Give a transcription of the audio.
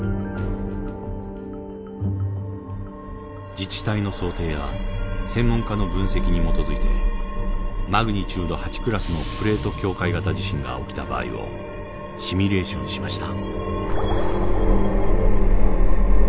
自治体の想定や専門家の分析に基づいてマグニチュード８．０クラスのプレート境界型地震が起きた場合をシミュレーションしました。